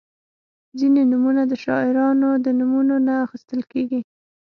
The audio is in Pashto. • ځینې نومونه د شاعرانو د نومونو نه اخیستل کیږي.